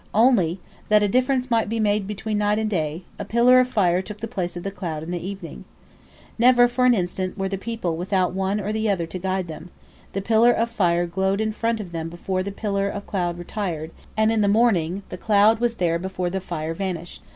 Only, that a difference might be made between day and night, a pillar of fire took the place of the cloud in the evening. Never for an instant were the people without the one or the other to guide them: the pillar of fire glowed in front of them before the pillar of cloud retired, and in the morning the cloud was there before the fire vanished.